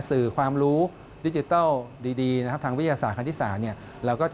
สื่อความรู้ดิจิทัลดีนะครับทางวิทยาศาสตร์คณิตศาสตร์